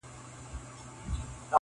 ډېري خزانې لرو الماس لرو په غرونو کي,